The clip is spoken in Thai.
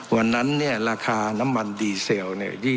วันนั้นเนี่ยราคาน้ำมันดีเซลเนี่ย